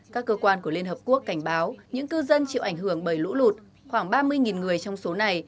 các cơ quan của liên hợp quốc cảnh báo những cư dân chịu ảnh hưởng bởi lũ lụt khoảng ba mươi người trong số này